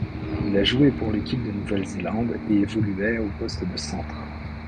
Il a joué pour l'équipe de Nouvelle-Zélande et évoluait au poste de centre.